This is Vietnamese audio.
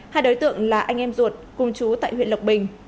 hai đối tượng là anh em ruột cùng chú tại huyện lộc bình